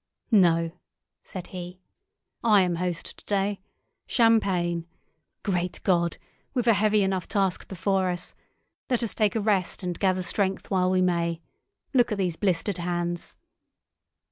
"No," said he; "I am host today. Champagne! Great God! We've a heavy enough task before us! Let us take a rest and gather strength while we may. Look at these blistered hands!"